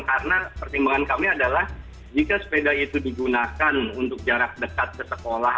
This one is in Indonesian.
karena pertimbangan kami adalah jika sepeda itu digunakan untuk jarak dekat ke sekolah